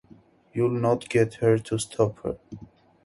You'll not get her to stop here.